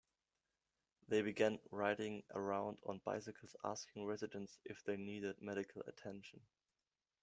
They began riding around on bicycles asking residents if they needed medical attention.